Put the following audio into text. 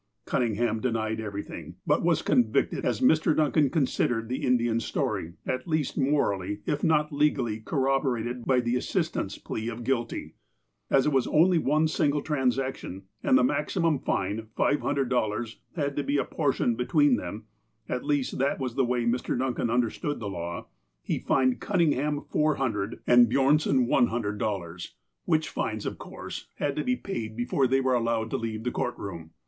Cunningham denied everything, but was convicted, as Mr. Duncan considered the Indians' story at least mor ally, if not legally, corroborated by the assistant's plea of guilty. As it was only one single transaction, and the maximum fine, five hundred dollars, had to be apportioned between them (at least that was the way Mr. Duncan understood the law), he fined Cunningham four hundred and Bjoru 216 THE APOSTLE OF ALASKA son one hundred dollars, whicli fines, of course, had to be paid before they were allowed to leave the court room.